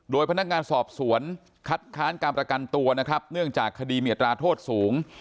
โดยพนักงานสอบสวนคัดค้านการประกันตัวนะครับเนื่องจากคดีมีอัตราโทษสูง